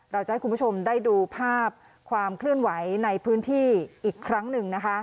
เราจะให้คุณผู้ชมได้ดูภาพความเคลื่อนไหวในพื้นที่อีกครั้งหนึ่งนะคะ